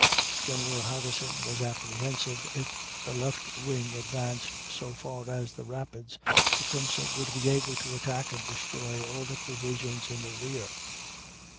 General Harrison was apprehensive if the left wing advanced so far as the Rapids, Tecumseh would be able to attack and destroy all the provisions in the rear."